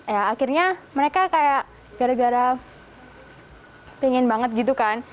ya akhirnya mereka kayak gara gara pingin banget gitu kan